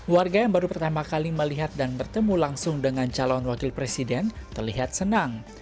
warga yang baru pertama kali melihat dan bertemu langsung dengan calon wakil presiden terlihat senang